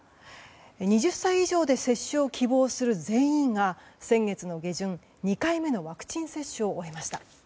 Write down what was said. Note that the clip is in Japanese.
２０歳以上で接種を希望する全員が先月の下旬、２回目のワクチン接種を終えました。